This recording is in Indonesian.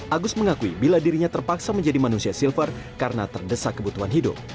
agus mengakui bila dirinya terpaksa menjadi manusia silver karena terdesak kebutuhan hidup